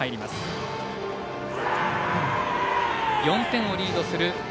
４点をリードする